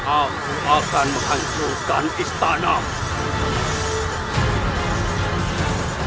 aku akan menghancurkan istanamu